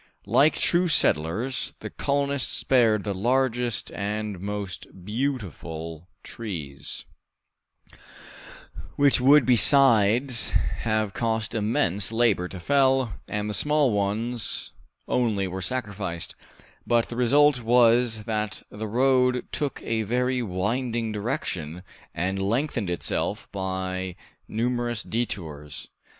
Like true settlers, the colonists spared the largest and most beautiful trees, which would besides have cost immense labor to fell, and the small ones only were sacrificed, but the result was that the road took a very winding direction, and lengthened itself by numerous detours.